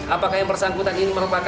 apakah yang bersangkutan ini merupakan